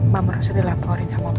mbak rosa dilaporin sama penyumbat